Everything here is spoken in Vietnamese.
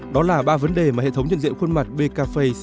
đó là ba vấn đề mà hệ thống nhận diện khuôn mặt bkface